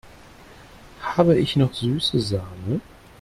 Habe ich noch süße Sahne?